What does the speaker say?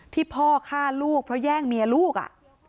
ที่พ่อฆ่าลูกเพราะแย่งเมียลูกอ่ะ